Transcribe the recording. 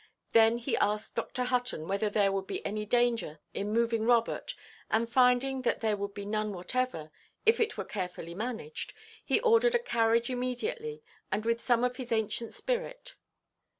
Then he asked Dr. Hutton whether there would be any danger in moving Robert, and, finding that there would be none whatever, if it were carefully managed, he ordered a carriage immediately, and with some of his ancient spirit.